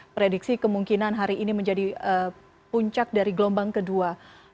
prediksi kemungkinan hari ini menjadi puncak dari gelombang kedua